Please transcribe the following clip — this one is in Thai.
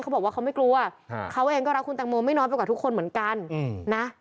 เขาบอกว่าเขาไม่กลัวเขาเองก็รักคุณแตงโมไม่น้อยไปกว่าทุกคนเหมือนกันนะ